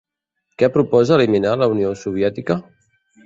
Què proposa eliminar la Unió Soviètica?